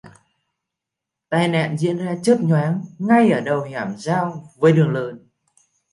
Tai nạn diễn ra chớp nhoáng ngay ở đầu hẻm giao với đường lớn